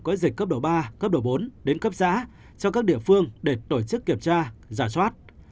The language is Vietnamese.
có dịch cấp độ ba cấp độ bốn đến cấp xã cho các địa phương để tổ chức kiểm tra giả soát